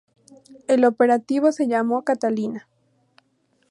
El operativo se llamó Catalina.